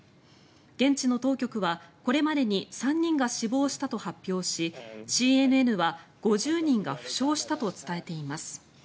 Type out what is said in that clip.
現地の当局は、これまでに３人が死亡したと発表しＣＮＮは５０人が負傷したと伝えています。